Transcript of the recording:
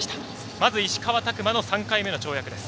まず石川拓磨の３回目の跳躍です。